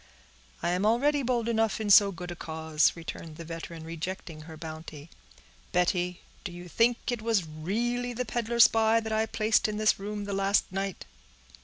"I am already bold enough in so good a cause," returned the veteran, rejecting her bounty. "Betty, do you think it was really the peddler spy that I placed in this room the last night?"